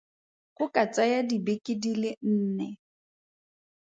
Go ka tsaya dibeke di le nne.